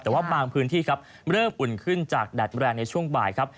แต่ว่าบางพื้นที่ครับเริ่มอุ่นขึ้นจากแดดแรงในช่วงบ่ายครับ